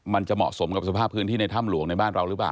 มันจะเหมาะสมกับสภาพพื้นที่ในถ้ำหลวงในบ้านเราหรือเปล่า